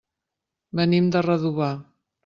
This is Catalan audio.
Venim de Redovà.